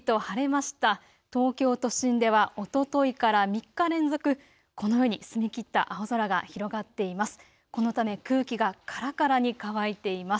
東京都心ではおとといから３日連続、この澄み切った青空が広がっています。